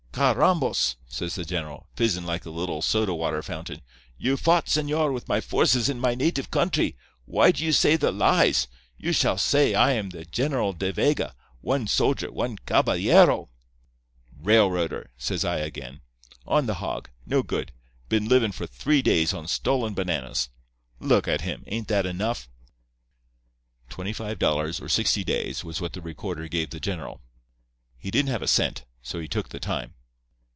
"'Carrambos!' says the general, fizzin' like a little soda water fountain, 'you fought, señor, with my forces in my native country. Why do you say the lies? You shall say I am the General De Vega, one soldier, one caballero—' "'Railroader,' says I again. 'On the hog. No good. Been livin' for three days on stolen bananas. Look at him. Ain't that enough?' "Twenty five dollars or sixty days, was what the recorder gave the general. He didn't have a cent, so he took the time.